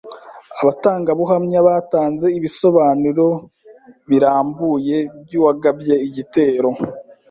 Abatangabuhamya batanze ibisobanuro birambuye by’uwagabye igitero.